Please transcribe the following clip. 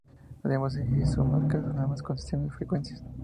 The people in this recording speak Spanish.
Además de exigir simulcast en las nuevas concesiones de frecuencias.